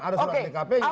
ada surat dkp nya